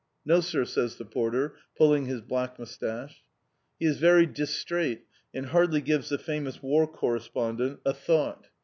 "No, sir," says the porter, pulling his black moustache. He is very distrait and hardly gives the famous War Correspondent a thought.